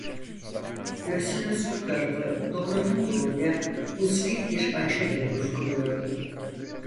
Göğsünün sol tarafı doğrudan doğruya uzvi bir acı ile burkuluyordu.